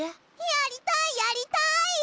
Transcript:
やりたいやりたい。